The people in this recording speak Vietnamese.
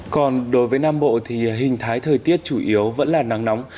còn đối với nam bộ thì hình thái thời tiết chủ yếu vẫn là nắng nóng